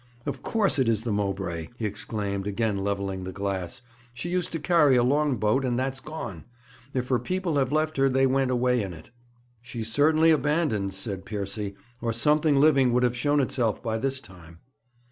Of course it is the Mowbray,' he exclaimed, again levelling the glass. 'She used to carry a long boat, and that's gone. If her people have left her, they went away in it.' 'She's certainly abandoned,' said Piercy, 'or something living would have shown itself by this time.'